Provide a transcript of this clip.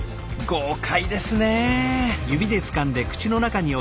豪快ですね。